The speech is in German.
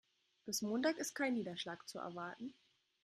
Bis Montag ist kein Niederschlag zu erwarten.